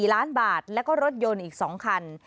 ๔ล้านบาทแล้วก็รถยนต์อีก๒คัน